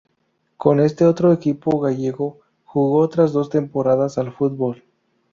Con este otro equipo gallego, jugó otras dos temporadas al fútbol.